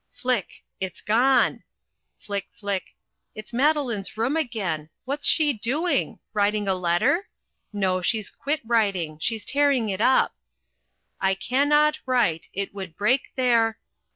Flick! It's gone! Flick, flick it's Madeline's room again what's she doing? writing a letter? no, she's quit writing she's tearing it up "I CANNOT WRITE. IT WOULD BREAK THEIR ..."